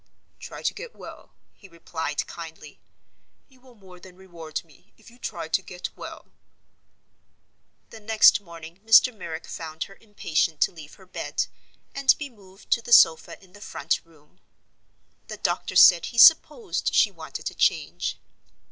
"Try to get well," he replied, kindly. "You will more than reward me, if you try to get well." The next morning Mr. Merrick found her impatient to leave her bed, and be moved to the sofa in the front room. The doctor said he supposed she wanted a change.